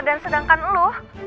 dan sedangkan lo